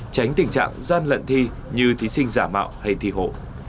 tránh tình trạng gian lận thi như thí sinh giả mạo hay thi hộ